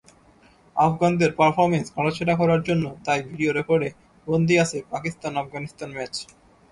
আফগানদের performance কাটাছেঁড়া করার জন্য তাই ভিডিও রেকর্ডে বন্দী আছে পাকিস্তান-আফগানিস্তান ম্যাচ।